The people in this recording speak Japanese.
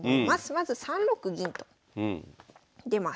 まず３六銀と出ます。